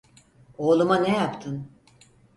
Oğluma ne yaptın?